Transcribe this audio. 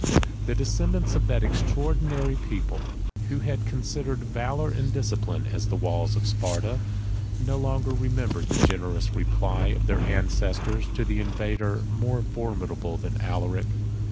12 The descendants of that extraordinary people, who had considered valor and discipline as the walls of Sparta, no longer remembered the generous reply of their ancestors to an invader more formidable than Alaric.